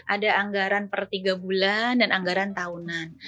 ada anggaran per tiga bulan dan anggaran tahunan